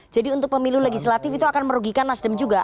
jadi untuk pemilu legislatif itu akan merugikan nasdem juga